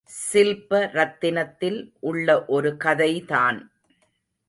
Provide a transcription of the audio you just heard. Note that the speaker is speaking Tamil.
சில்ப ரத்தினத்தில் உள்ள ஒரு கதைதான்.